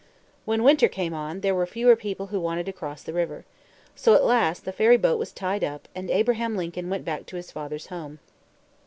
When winter came on, there were fewer people who wanted to cross the river. So, at last, the ferry boat was tied up, and Abraham Lincoln went back to his father's home.